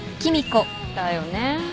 だよね。